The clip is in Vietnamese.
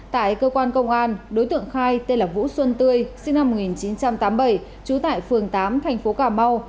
tại cơ quan công an đối tượng khai tên là vũ xuân tươi sinh năm một nghìn chín trăm tám mươi bảy trú tại phường tám thành phố cà mau